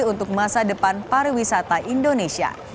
untuk masa depan pariwisata indonesia